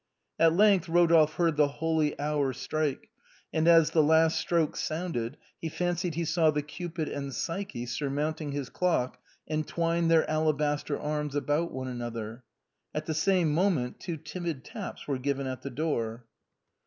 At length Eodolphe heard the " holy hour " strike, and as the last stroke sounded he fancied he saw the Cupid and Psyche surmounting his clock entwine their alabaster arms about one another. At the same moment two timid taps were given at the door.